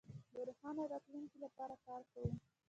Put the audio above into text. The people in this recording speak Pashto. د روښانه راتلونکي لپاره کار کوو.